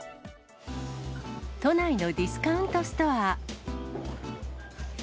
都内のディスカウントストア。